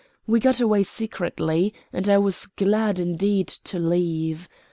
We got away secretly, and I was glad indeed to leave.